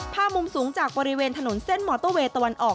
มุมสูงจากบริเวณถนนเส้นมอเตอร์เวย์ตะวันออก